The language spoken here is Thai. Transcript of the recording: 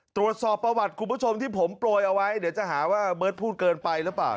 ตรวจสอบประวัติคุณผู้ชมที่ผมโปรยเอาไว้เดี๋ยวจะหาว่าเบิร์ตพูดเกินไปหรือเปล่า